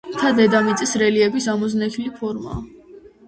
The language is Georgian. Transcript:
მთა დედამიწის რელიეფის ამოზნექილი ფორმაა